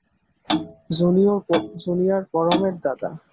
Junior পরমের দাদা।